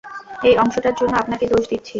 ওই অংশটার জন্য আপনাকে দোষ দিচ্ছি।